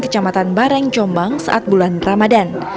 kecamatan bareng jombang saat bulan ramadan